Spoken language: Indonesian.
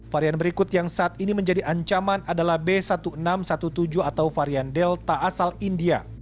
varian berikut yang saat ini menjadi ancaman adalah b seribu enam ratus tujuh belas atau varian delta asal india